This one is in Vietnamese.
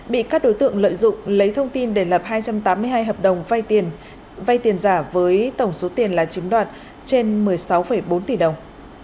bị các đối tượng lợi dụng lấy thông tin để lập hai trăm tám mươi hai hợp đồng vay tiền giả với tổng số tiền là chiếm đoạt trên một mươi sáu bốn tỷ đồng